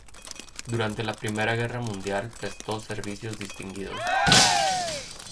Durante la primera guerra mundial prestó servicios distinguidos.